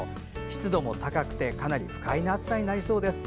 湿度も高くてかなり不快な暑さになりそうです。